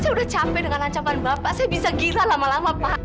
saya udah capek dengan ancaman bapak saya bisa gila lama lama pak